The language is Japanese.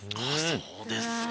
そうですか。